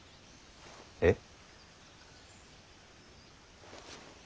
えっ。